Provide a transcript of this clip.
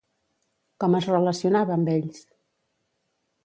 Com es relacionava amb ells?